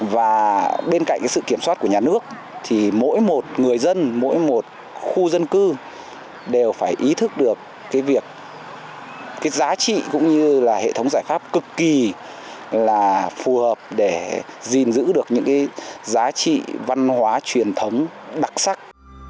và bên cạnh sự kiểm soát của nhà nước thì mỗi một người dân mỗi một khu dân cư đều phải ý thức được cái giá trị cũng như hệ thống giải pháp cực kỳ là phù hợp để giữ được những giá trị văn hóa truyền thống đặc sắc